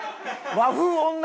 和風女